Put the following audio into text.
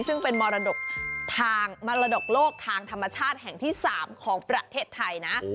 ซึ่งเป็นมรดกทางมรดกโลกทางธรรมชาติแห่งที่๓ของประเทศไทยนะ